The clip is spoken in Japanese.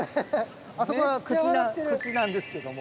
あそこが口なんですけども。